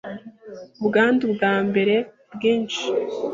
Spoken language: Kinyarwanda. ubwandu bwa mbere bwinshi